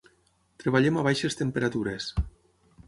Treballem a baixes temperatures.